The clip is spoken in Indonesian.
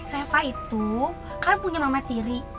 reva itu kan punya mama tiri